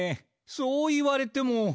そう言われても。